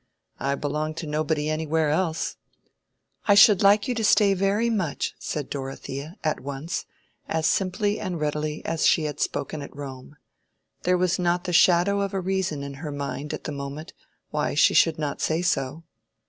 I belong to nobody anywhere else." "I should like you to stay very much," said Dorothea, at once, as simply and readily as she had spoken at Rome. There was not the shadow of a reason in her mind at the moment why she should not say so.